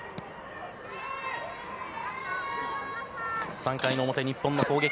３回の表、日本の攻撃。